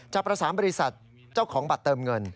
จะประสานบริษัทเจ้าของบัตรเติมเงิน